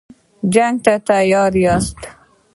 جنګ ته تیار یاست.